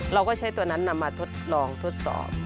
เราก็ใช้ตัวนั้นนำมาทดลองทดสอบ